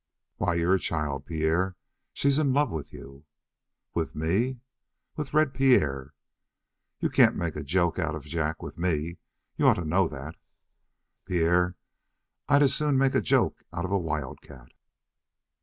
"Why, you're a child, Pierre. She's in love with you." "With me?" "With Red Pierre." "You can't make a joke out of Jack with me. You ought to know that." "Pierre, I'd as soon make a joke out of a wildcat."